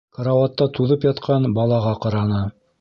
Карауатта туҙып ятҡан «бала»ға ҡараны.